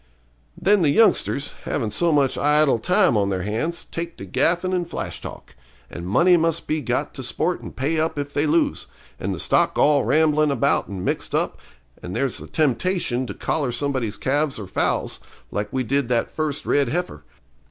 Then the youngsters, havin' so much idle time on their hands, take to gaffin' and flash talk; and money must be got to sport and pay up if they lose; and the stock all ramblin' about and mixed up, and there's a temptation to collar somebody's calves or foals, like we did that first red heifer.